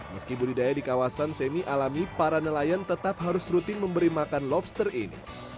meski budidaya di kawasan semi alami para nelayan tetap harus rutin memberi makan lobster ini